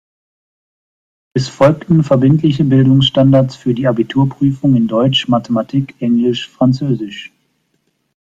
Es folgten verbindliche Bildungsstandards für die Abiturprüfung in Deutsch, Mathematik, Englisch, Französisch.